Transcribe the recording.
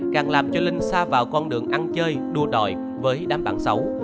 càng làm cho linh xa vào con đường ăn chơi đua đòi với đám bạn xấu